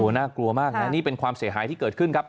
น่ากลัวมากนะนี่เป็นความเสียหายที่เกิดขึ้นครับ